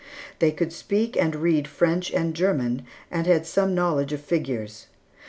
They could speak and read French and German, and had some knowledge of figures.